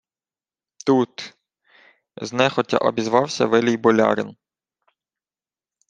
— Тут... — знехотя обізвався велій болярин.